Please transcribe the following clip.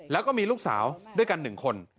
แล้วก็มีลูกสาวด้วยกัน๑คน